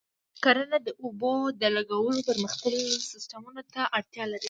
کرنه د اوبو د لګولو پرمختللي سیستمونه ته اړتیا لري.